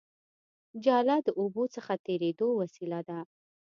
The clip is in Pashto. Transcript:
جاله د اوبو څخه تېرېدو وسیله ده